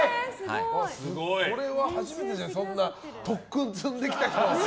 これは初めてじゃないですか特訓、積んできた人。